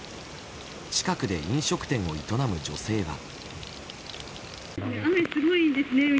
近くで飲食店を営む女性は。